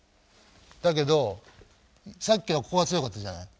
だけどさっきのここが強かったじゃない。